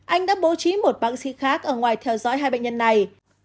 anh đã bố trí một bác sĩ khác ở ngoài theo dõi hai bệnh nhân này